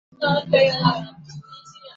他是塞内加尔的第三任总统。